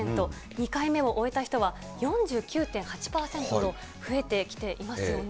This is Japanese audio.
２回目を終えた人は４９．８％と、増えてきていますよね。